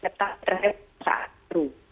tetap terhadap satu